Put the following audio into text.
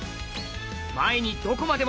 前にどこまでも！